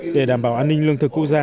để đảm bảo an ninh lương thực quốc gia